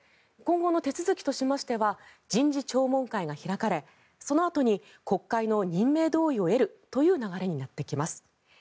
今後の手続きとしましては人事聴聞会が開かれそのあとに国会の任命同意を得るという流れになってきます。